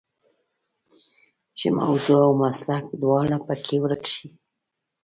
چې موضوع او مسلک دواړه په کې ورک شي.